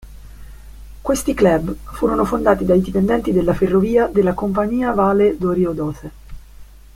Questi club furono fondati dai dipendenti della ferrovia della Companhia Vale do Rio Doce.